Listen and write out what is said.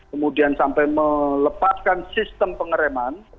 kemudian sampai melepaskan sistem pengereman